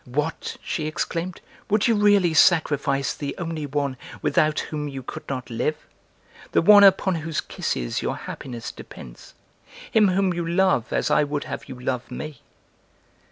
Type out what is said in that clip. "What," she exclaimed, "would you really sacrifice the only one without whom you could not live'? The one upon whose kisses your happiness depends. Him whom you love as I would have you love me?"